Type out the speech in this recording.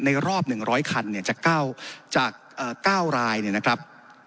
ในรอบ๑๐๐คันเนี่ยจะเก้าจาก๙ลายนะครับ